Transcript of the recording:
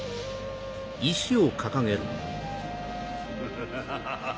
・ハハハハ・・